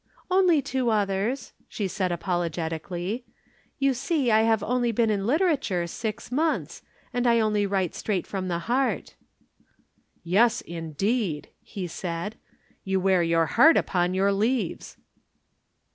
"Only two others," she said apologetically. "You see I have only been in literature six months and I only write straight from the heart." "Yes, indeed!" he said. "You wear your heart upon your leaves."